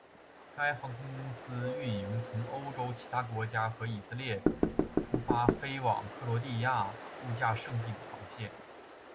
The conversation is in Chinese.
该航空公司运营从欧洲其他国家和以色列出发飞往克罗地亚度假胜地的航线。